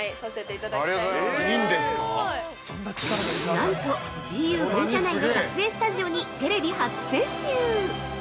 ◆なんと、ＧＵ本社内の撮影スタジオにテレビ初潜入！